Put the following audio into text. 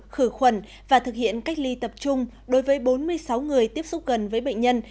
khử khuẩn và thực hiện cách ly tập trung đối với bốn mươi sáu người tiếp xúc gần với bệnh nhân